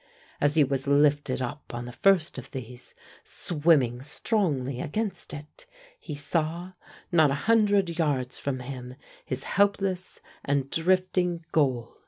As he was lifted up on the first of these, swimming strongly against it, he saw not a hundred yards from him his helpless and drifting goal.